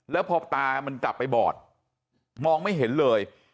แล้วพอตามันกลับไปบอดมองไม่เห็นเลย